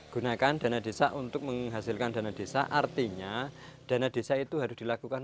gunakan dana desa untuk menghasilkan dana desa artinya dana desa itu harus dilakukan